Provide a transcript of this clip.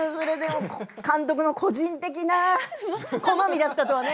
監督の個人的な好みだったとはね。